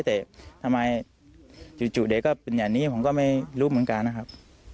แต่ทำไมจู่เด็กก็เป็นอย่างนี้ผมก็ไม่รู้เหมือนกันนะครับ